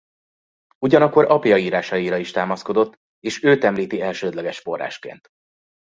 Ugyanakkor apja írásaira is támaszkodott és őt említi elsődleges forrásként.